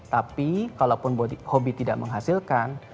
tapi kalaupun hobi tidak menghasilkan